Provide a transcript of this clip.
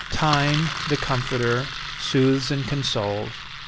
Time, the comforter, soothes and consoles.